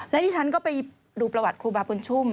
และที่ฉันก็ไปดูประวัติครูบาบุญชุ่ม